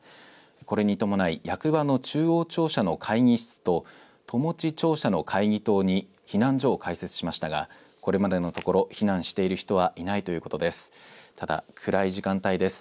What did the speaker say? これに伴い、役場の中央庁舎の会議室とともち庁舎の会議室に避難所を開設しましたが、これまでのところ、避難している人はいないということです。